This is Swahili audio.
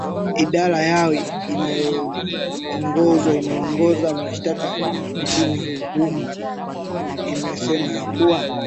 idara yao inayoongozwa inaongoza mashtaka nchini humo imesema ya kuwa